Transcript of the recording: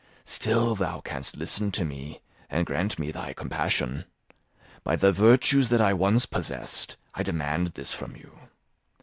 Still thou canst listen to me and grant me thy compassion. By the virtues that I once possessed, I demand this from you.